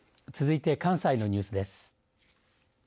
続いて関西のニュースです。